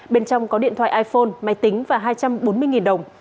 bên trong có điện thoại iphone máy tính và hai trăm bốn mươi đồng